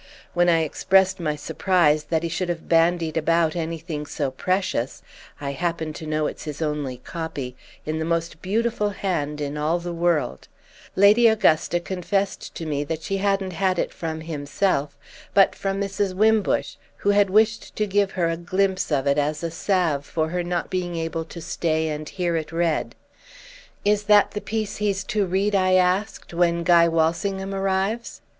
When I expressed my surprise that he should have bandied about anything so precious (I happen to know it's his only copy—in the most beautiful hand in all the world) Lady Augusta confessed to me that she hadn't had it from himself, but from Mrs. Wimbush, who had wished to give her a glimpse of it as a salve for her not being able to stay and hear it read. "'Is that the piece he's to read,' I asked, 'when Guy Walsingham arrives?